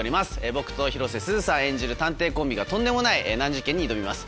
僕と広瀬すずさん演じる探偵コンビがとんでもない難事件に挑みます。